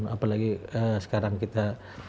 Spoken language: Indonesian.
apalagi sekarang kita